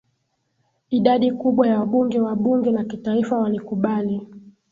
idadi kubwa ya wabunge wa bunge la kitaifa walikubali